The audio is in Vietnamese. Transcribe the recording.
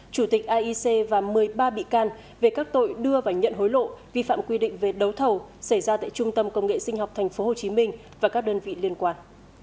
chủ tịch aic và một mươi ba bị can về các tội đưa và nhận hối lộ vi phạm quy định về đấu thầu xảy ra tại trung tâm công nghệ sinh học tp hcm và các đơn vị liên quan